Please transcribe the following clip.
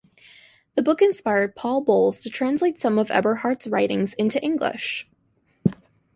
The book inspired Paul Bowles to translate some of Eberhardt's writings into English.